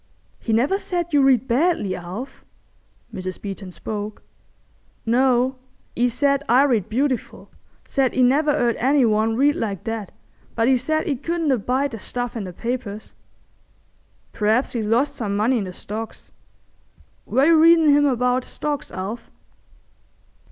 "He never said you read badly, Alf?" Mrs. Beeton spoke. "No. 'E said I read beautiful. Said 'e never 'eard any one read like that, but 'e said 'e couldn't abide the stuff in the papers." "P'raps he's lost some money in the Stocks. Were you readin' him about Stocks, Alf?"